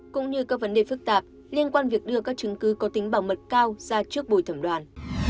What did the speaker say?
cũng như các vấn đề phức tạp liên quan việc đưa các chứng cứ có tính bảo mật cao ra trước bồi thẩm đoàn